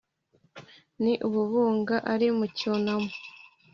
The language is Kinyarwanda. n'i bubunga bari mu cyunamo.